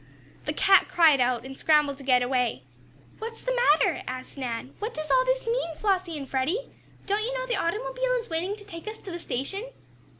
The cat cried out, and scrambled to get away. "What's the matter?" asked Nan. "What does all this mean, Flossie and Freddie? Don't you know the automobile is waiting to take us to the station?"